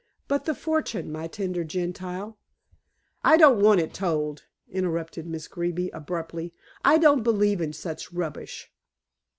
But the fortune, my tender Gentile " "I don't want it told," interrupted Miss Greeby abruptly. "I don't believe in such rubbish."